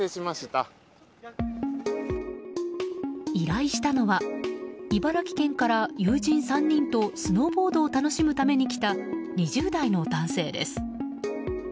依頼したのは茨城県から友人３人とスノーボードを楽しむために来た２０代の男性です。